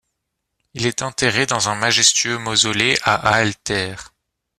Il est enterré dans un majestueux mausolée à Aalter.